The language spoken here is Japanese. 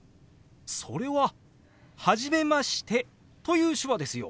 それは「初めまして」という手話ですよ。